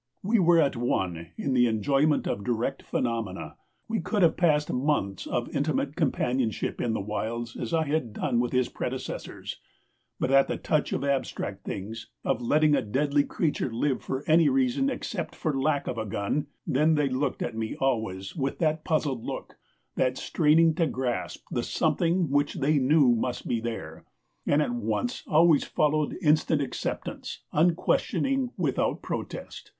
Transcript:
We were at one in the enjoyment of direct phenomena; we could have passed months of intimate companionship in the wilds as I had done with his predecessors; but at the touch of abstract things, of letting a deadly creature live for any reason except for lack of a gun then they looked at me always with that puzzled look, that straining to grasp the something which they knew must be there. And at once always followed instant acceptance, unquestioning, without protest.